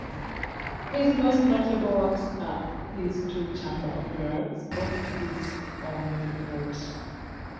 His most notable works are his two chamber operas, both to his own libretti.